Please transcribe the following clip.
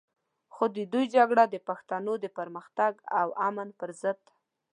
خو د دوی جګړه د پښتنو د پرمختګ او امن پر ضد ده.